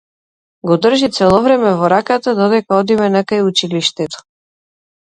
Го држи цело време во раката додека одиме накај училиштето.